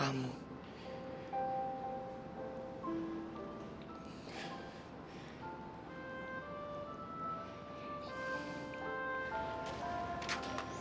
harusnya aku dependa pride di sini